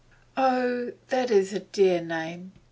'Oh, that is a dear name!